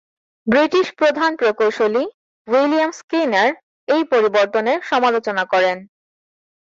British প্রধান প্রকৌশলী William Skinner এই পরিবর্তনের সমালোচনা করেন।